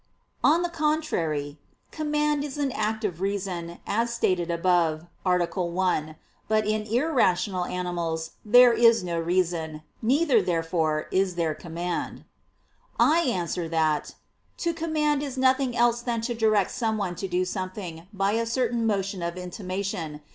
On the contrary, Command is an act of reason, as stated above (A. 1). But in irrational animals there is no reason. Neither, therefore, is there command. I answer that, To command is nothing else than to direct someone to do something, by a certain motion of intimation.